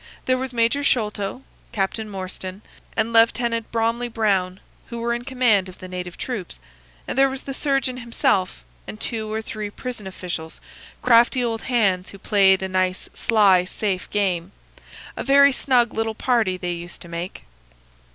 There was Major Sholto, Captain Morstan, and Lieutenant Bromley Brown, who were in command of the native troops, and there was the surgeon himself, and two or three prison officials, crafty old hands who played a nice sly safe game. A very snug little party they used to make.